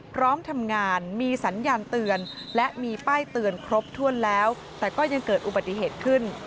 พร้อมทำงานมีสัญญาณเตือนและมีป้ายเตือนครบถ้วนแล้วแต่ก็ยังเกิดอุบัติเหตุขึ้น